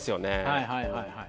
はいはいはいはい。